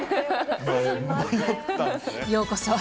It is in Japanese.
ようこそ。